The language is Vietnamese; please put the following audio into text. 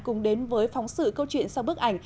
cùng đến với phóng sự câu chuyện sau bức ảnh